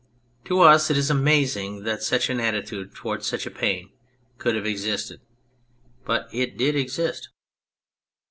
To us it is amazing that such an attitude towards such a pain could have existed, but it did exist.